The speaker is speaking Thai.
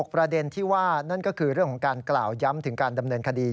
ประเด็นที่ว่านั่นก็คือเรื่องของการกล่าวย้ำถึงการดำเนินคดี